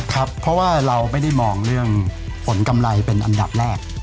ครับเพราะว่าเราไม่ได้มองเรื่องผลกำไรเป็นอันดับแรก